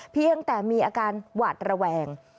เพียงแต่มีอาการหวาดระแวง